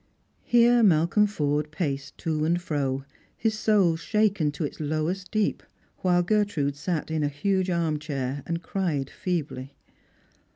Here Malcolm Forde paced to and fro, his soul shaken to its lowest deep, while Gertrude sat in a huge arm chair, and cried feebly.